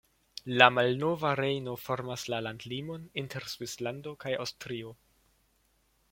La Malnova Rejno formas la landlimon inter Svislando kaj Aŭstrio.